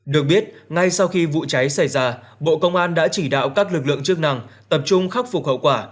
được biết ngay sau khi vụ cháy xảy ra bộ công an đã chỉ đạo các lực lượng chức năng tập trung khắc phục hậu quả